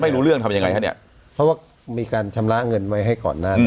ไม่รู้เรื่องทำยังไงฮะเนี่ยเพราะว่ามีการชำระเงินไว้ให้ก่อนหน้านี้